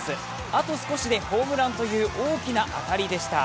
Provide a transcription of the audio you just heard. あと少しでホームランという大きな当たりでした。